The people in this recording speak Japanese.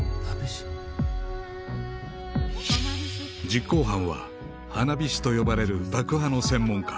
実行犯は花火師と呼ばれる爆破の専門家